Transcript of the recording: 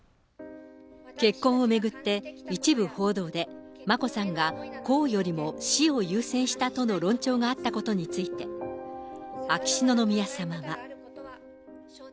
結婚を巡って、一部報道で、眞子さんが公よりも私を優先したとの論調があったことについて、秋篠宮さまは。